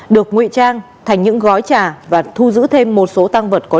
được nguy trang thành những gói trà và thu giữ thêm một số tăng vật